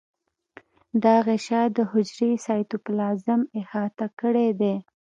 دا غشا د حجرې سایتوپلازم احاطه کړی دی.